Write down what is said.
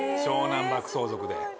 『湘南爆走族』で。